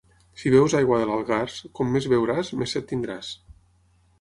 Si beus aigua de l'Algars, com més beuràs, més set tindràs.